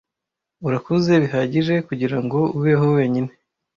Urakuze bihagije kugirango ubeho wenyine.